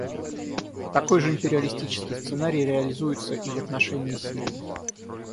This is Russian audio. Такой же империалистический сценарий реализуется и в отношении Сирии.